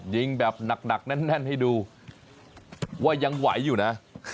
ยิงแบบหนักแน่นให้ดูว่ายังไหวอยู่นะ